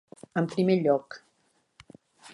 En primer lloc.